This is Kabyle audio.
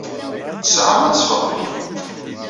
Ttesɛa ad teffeɣ fell-i.